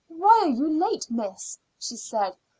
"Why are you late, miss?" she said.